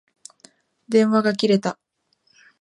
電話が切れた。